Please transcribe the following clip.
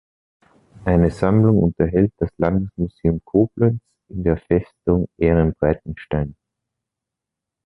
Eine Sammlung unterhält das Landesmuseum Koblenz in der Festung Ehrenbreitstein.